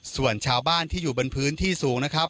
ส่วนชาวบ้านที่อยู่บนพื้นที่สูงนะครับ